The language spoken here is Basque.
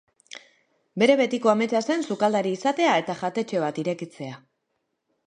Bere betiko ametsa zen sukaldari izatea eta jatetxe bat irekitzea.